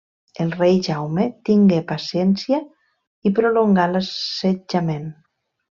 El rei Jaume tingué paciència i prolongà l'assetjament.